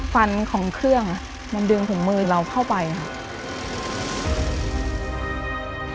ฟันของเครื่องมันดึงถุงมือเราเข้าไปค่ะ